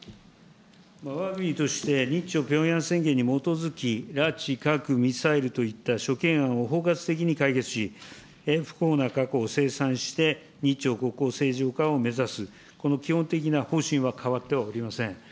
わが国として、日朝ピョンヤン宣言に基づき、拉致、核、ミサイルといった諸懸案を包括的に解決し、不幸な過去を清算して、日朝国交正常化を目指す、この基本的な方針は変わってはおりません。